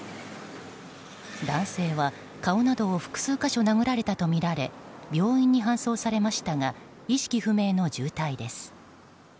男性は顔などを複数箇所、殴られたとみられ病院に搬送されましたが意識不明の重体です。